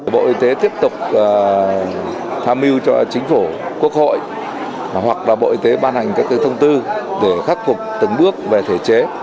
bộ y tế tiếp tục tham mưu cho chính phủ quốc hội hoặc là bộ y tế ban hành các thông tư để khắc phục từng bước về thể chế